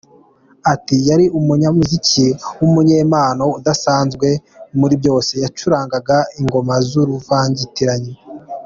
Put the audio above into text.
Ati: “Yari umunyamuziki w’umunyempano udasanzwe muri byose, yacurangaga ingoma z’uruvangitirane.